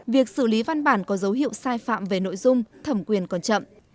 việc xử lý văn bản có dấu hiệu sai phạm về nội dung thẩm quyền còn chậm